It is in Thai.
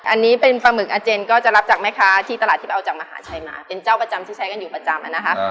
อันนี้เป็นปลาหมึกอาเจนก็จะรับจากแม่ค้าที่ตลาดที่ไปเอาจากมหาชัยมาเป็นเจ้าประจำที่ใช้กันอยู่ประจำอะนะคะ